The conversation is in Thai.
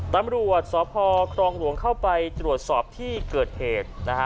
ตำรวจสพครองหลวงเข้าไปตรวจสอบที่เกิดเหตุนะฮะ